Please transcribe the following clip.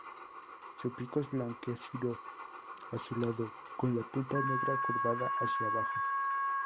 Su pico es blanquecino azulado con la punta negra curvada hacia abajo.